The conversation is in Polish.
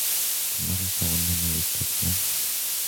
Czy może są one mniej istotne?